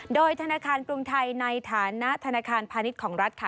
โดยธนาคารกรุงไทยในฐานะธนาคารพาณิชย์ของรัฐค่ะ